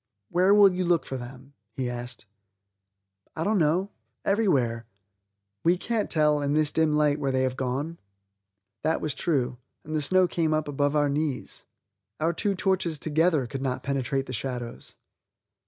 "Where will you look for them?" he asked. "I don't know; everywhere." "We can't tell, in this dim light, where they have gone." That was true, and the snow came up above our knees. Our two torches together could not penetrate the shadows.